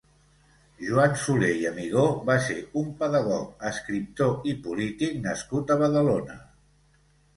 Joan Soler i Amigó va ser un pedagog, escriptor i polític nascut a Badalona.